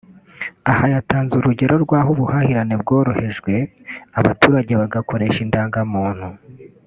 Aha yatanze urugero rw’aho ubuhahirane bworohejwe abaturage bagakoresha indangamuntu